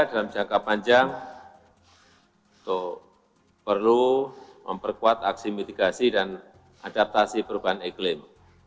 dalam jangka panjang untuk perlu memperkuat aksi mitigasi dan adaptasi perubahan iklim